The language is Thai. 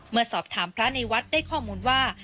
เมื่อสอบถามพระในวัดได้ข้อมูลว่า